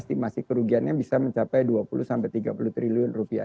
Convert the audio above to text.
estimasi kerugiannya bisa mencapai dua puluh tiga puluh triliun rupiah